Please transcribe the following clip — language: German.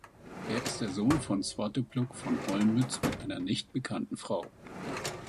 Er ist der Sohn von Svatopluk von Olmütz mit einer nicht bekannten Frau.